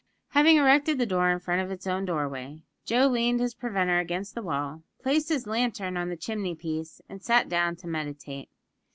Having erected the door in front of its own doorway, Joe leaned his preventer against the wall, placed his lantern on the chimney piece, and sat down to meditate.